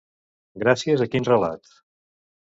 Gràcies a quin relat?